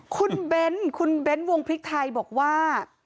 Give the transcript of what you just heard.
คุณเบ้นคุณเบ้นวงพริกไทยบอกว่า